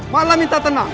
malah minta tenang